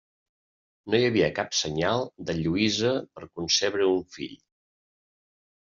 No hi havia cap senyal de Lluïsa per concebre un fill.